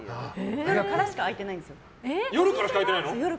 夜からしか開いてないんですよ。